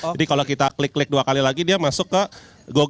jadi kalau kita klik klik dua kali lagi dia masuk ke dronenya